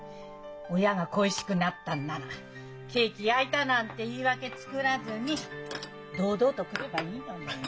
親が恋しくなったんなら「ケーキ焼いた」なんて言い訳作らずに堂々と来ればいいのに。